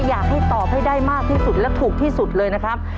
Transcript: อยากให้ตอบให้ได้มากที่สุดและถูกที่สุดเลยนะครับ